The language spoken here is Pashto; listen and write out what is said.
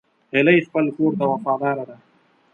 هیلۍ خپل کور ته وفاداره ده